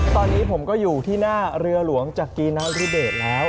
ตอนนี้ผมก็อยู่ที่หน้าเรือหลวงจักรีนริเดชแล้ว